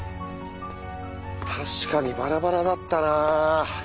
確かにバラバラだったなあ。